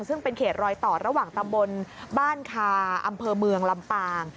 ซึ่งเป็นเขตรอยต่อระหว่างตำบลบ้านคาอำเภอเมืองลำปาง